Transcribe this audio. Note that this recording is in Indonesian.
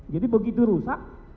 jadi begitu rusak